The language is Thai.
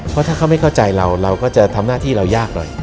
เพราะถ้าเขาไม่เข้าใจเราเราก็จะทำหน้าที่เรายากหน่อย